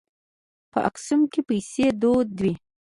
په اکسوم کې پیسې دود وې.